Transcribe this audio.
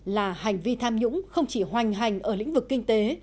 là hành vi tham nhũng không chỉ hoành hành ở lĩnh vực kinh tế